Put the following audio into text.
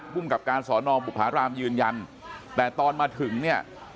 ภูมิกับการสอนอบุภารามยืนยันแต่ตอนมาถึงเนี่ย